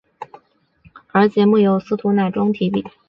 而节目由司徒乃钟题笔。